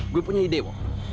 gue punya ide wak